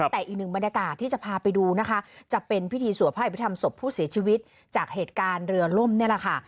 แต่อีกหนึ่งบรรยากาศที่จะพาไปดูนะคะจะเป็นพิธีสวดพระอภิษฐรรมศพผู้เสียชีวิตจากเหตุการณ์เรือล่มนี่แหละค่ะ